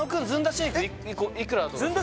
シェイク１個いくらだと思います？